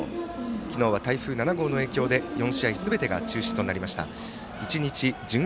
昨日は台風７号の影響で４試合すべてが中止となりました。